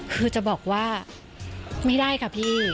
คือจะบอกว่าไม่ได้ค่ะพี่